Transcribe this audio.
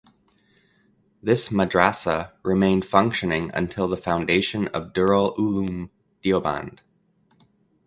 This madrassa remained functioning until the foundation of Darul Uloom Deoband.